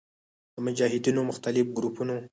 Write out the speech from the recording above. د مجاهدینو مختلف ګروپونو